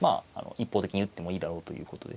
一方的に打ってもいいだろうということで。